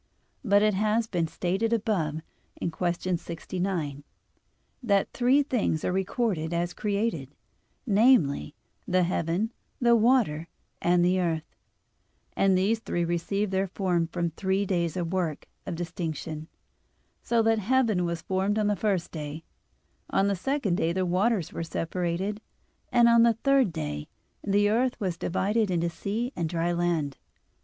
But it has been stated above (Q. 69, A. 1), that three things are recorded as created, namely, the heaven, the water, and the earth; and these three received their form from the three days' work of distinction, so that heaven was formed on the first day; on the second day the waters were separated; and on the third day, the earth was divided into sea and dry land.